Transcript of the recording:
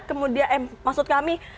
kemudian maksud kami